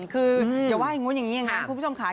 คืออย่าว่ายังงี้อย่างนั้นคุณผู้ชมขาว